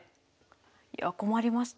いや困りました。